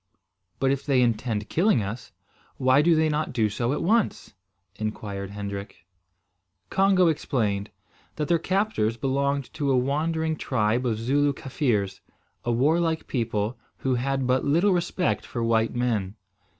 "But, if they intend killing us, why do they not do so at once?" inquired Hendrik. Congo explained, that their captors belonged to a wandering tribe of Zooloo Kaffirs, a warlike people, who had but little respect for white men.